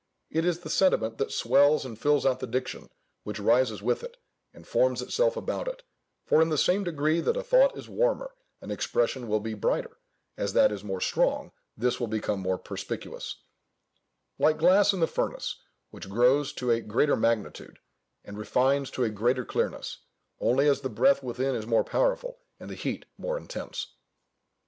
It is the sentiment that swells and fills out the diction, which rises with it, and forms itself about it, for in the same degree that a thought is warmer, an expression will be brighter, as that is more strong, this will become more perspicuous; like glass in the furnace, which grows to a greater magnitude, and refines to a greater clearness, only as the breath within is more powerful, and the heat more intense.